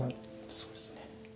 そうですね。